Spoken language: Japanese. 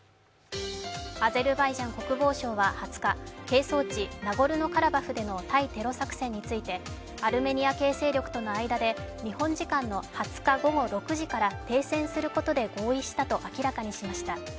アゼルバイジャン国防省は２０日、係争地ナゴルノ・カラバフでの対テロ作戦についてアルメニア系勢力との間で日本時間の２０日午後６時から停戦することで合意したと明らかにしました。